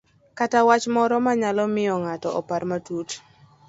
kata wach moro manyalo miyo ng'ato opar matut.